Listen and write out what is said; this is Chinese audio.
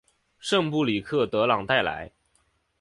圣布里克德朗代莱。